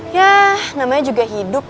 yah namanya juga